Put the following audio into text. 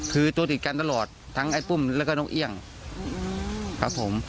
คือตัวติดกันตลอดทั้งไอ้ปุ้มแล้วก็น้องเอี่ยงครับผม